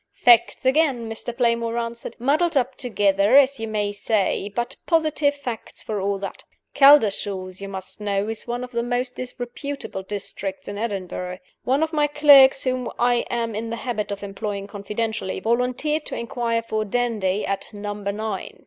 "Facts again!" Mr. Playmore answered, "muddled up together, as you may say but positive facts for all that. Caldershaws, you must know, is one of the most disreputable districts in Edinburgh. One of my clerks (whom I am in the habit of employing confidentially) volunteered to inquire for 'Dandie' at 'Number Nine.